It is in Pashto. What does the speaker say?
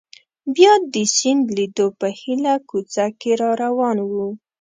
بیا د سیند لیدو په هیله کوڅه کې را روان وو.